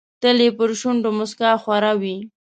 تل یې پر شونډو موسکا خوره وي.